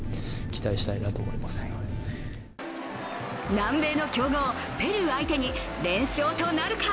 南米の強豪、ペルー相手に連勝となるか。